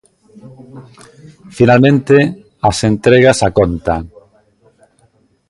Finalmente, as entregas a conta.